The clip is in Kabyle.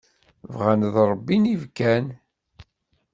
Bɣan ad ṛebbin ibekkan.